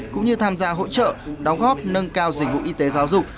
cũng như tham gia hỗ trợ đóng góp nâng cao dịch vụ y tế giáo dục